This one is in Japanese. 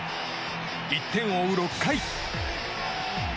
１点を追う６回。